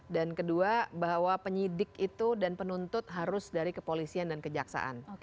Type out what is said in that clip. dan kedua bahwa penyidik itu dan penuntut harus dari kepolisian dan kejaksaan